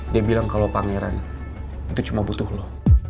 dia bilang kalau pangeran itu cuma butuh loh